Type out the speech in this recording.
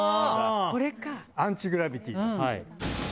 アンチグラビティです。